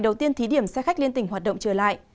đầu tiên thí điểm xe khách liên tỉnh hoạt động trở lại